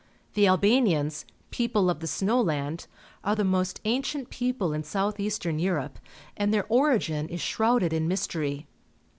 The Albanians, "people of the snow land," are the most ancient people in South eastern Europe, and their origin is shrouded in mystery.